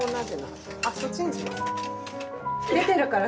あっそっちにします？